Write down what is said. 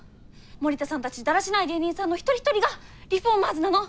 森田さんたちだらしない芸人さんの一人一人がリフォーマーズなの！